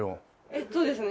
えっとですね